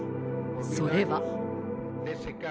それは。